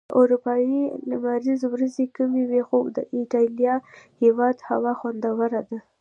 په اروپا کي لمريزي ورځي کمی وي.خو د ايټاليا هيواد هوا خوندوره ده